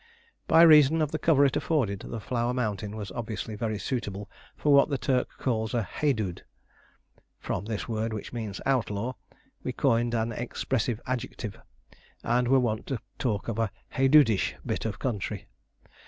By reason of the cover it afforded the Flower Mountain was obviously very suitable for what the Turk calls a "Haidood." From this word, which means "outlaw," we coined an expressive adjective, and were wont to talk of a "haidoodish" bit of country.